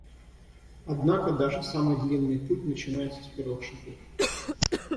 Однако даже самый длинный путь начинается с первых шагов.